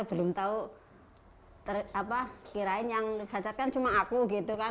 belum tahu kirain yang cacatkan cuma aku gitu kan